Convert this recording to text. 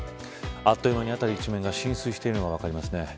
あっという間に辺り一面が浸水しているのが分かりますね。